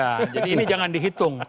ya jadi ini jangan dihitung